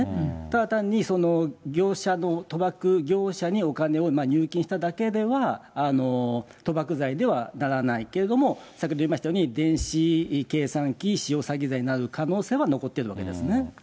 ただ単に、業者の、賭博業者にお金を入金しただけでは、賭博罪にはならないけれども、先ほど言いましたように、電子計算機使用詐欺罪になる可能性は残ってるわけですね。